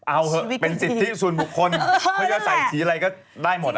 เอาเถอะเป็นสิทธิส่วนบุคคลเขาจะใส่สีอะไรก็ได้หมด